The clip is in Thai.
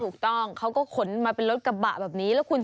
ถูกต้องเขาก็ขนมาเป็นรถกระบะแบบนี้